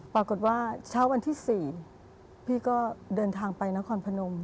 ปรากฏว่าเช้าวันที่๔พี่ก็เดินทางไปนครพนม